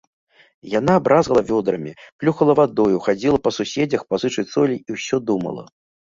Яна бразгала вёдрамі, плюхала вадою, хадзіла па суседзях пазычыць солі і ўсё думала.